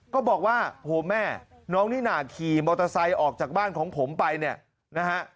ก็บอกว่าโหแม่น้องนิน่าขี่มอเตอร์ไซค์ออกจากบ้านของผมไปเนี่ยนะฮะ